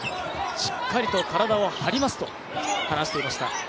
しっかりと体を張りますと話していました。